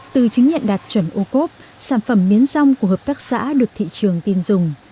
từ chứng nhận đạt chuẩn ô cốp sản phẩm miến rong của hợp tác xã được thị trường tin dùng